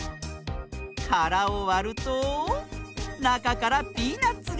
からをわるとなかからピーナツが！